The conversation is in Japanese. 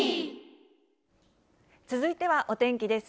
続いてはお天気です。